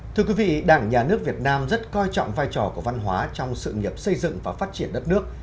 thưa quý vị đảng nhà nước việt nam rất coi trọng vai trò của văn hóa trong sự nghiệp xây dựng và phát triển đất nước